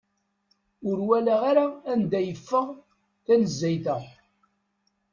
Ur walaɣ ara anda yeffeɣ tanezzayt-a.